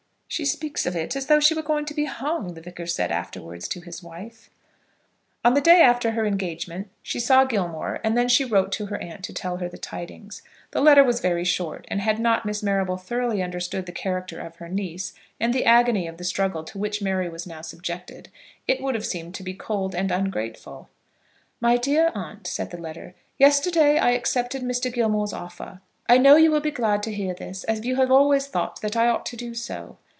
"She speaks of it as though she was going to be hung," the Vicar said afterwards to his wife. On the day after her engagement she saw Gilmore, and then she wrote to her aunt to tell her the tidings. Her letter was very short, and had not Miss Marrable thoroughly understood the character of her niece, and the agony of the struggle to which Mary was now subjected, it would have seemed to be cold and ungrateful. "My dear Aunt," said the letter, "Yesterday I accepted Mr. Gilmore's offer. I know you will be glad to hear this, as you have always thought that I ought to do so.